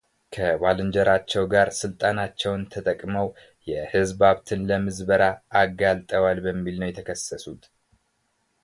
ከባለእንጀራቸው ጋር ሥልጣናቸውን ተጠቅመው የሕዝብ ሃብትን ለምዝበራ አጋልጠዋል በሚል ነው የተከሰሱት።